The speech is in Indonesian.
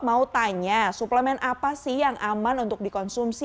mau tanya suplemen apa sih yang aman untuk dikonsumsi